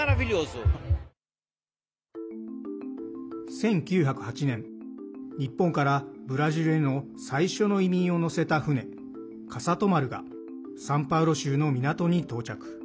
１９０８年日本からブラジルへの最初の移民を乗せた船笠戸丸がサンパウロ州の港に到着。